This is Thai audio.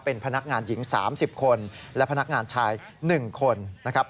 เป็นพนักงานหญิง๓๐คนและพนักงานชาย๑คนนะครับ